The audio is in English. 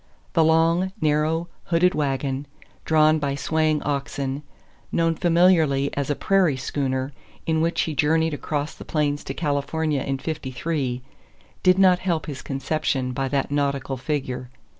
The long, narrow, hooded wagon, drawn by swaying oxen, known familiarly as a "prairie schooner," in which he journeyed across the plains to California in '53, did not help his conception by that nautical figure.